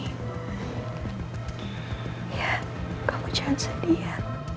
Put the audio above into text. ya kamu jangan sedih ya